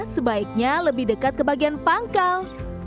sebaiknya lebih dekat ke bagian pangkal